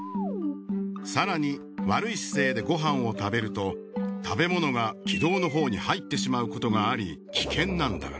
更に悪い姿勢でごはんを食べると食べ物が気道のほうに入ってしまうことがあり危険なんだ。